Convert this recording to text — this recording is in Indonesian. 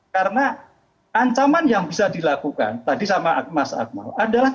karena ancaman yang bisa dilakukan tadi sama mas akmal adalah tiga ratus lima puluh sembilan